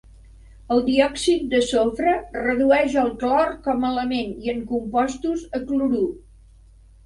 El diòxid de sofre redueix el clor com a element i en compostos a clorur.